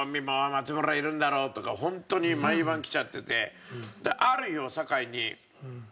「松村いるんだろ！」とかホントに毎晩来ちゃってて。